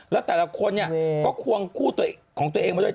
แล้วแต่ละคนเนี่ยก็ควงคู่ของตัวเองมาด้วย